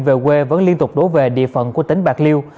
về quê vẫn liên tục đổ về địa phận của tỉnh bạc liêu